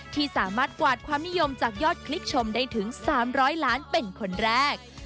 ที่สามารถกวาดความนิยมจากยอดคลิกชมได้ถึง๓๐๐ล้านเป็นคนแรก